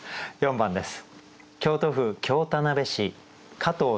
４番です。